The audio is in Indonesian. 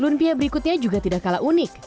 glumpia berikutnya juga tidak kalah unik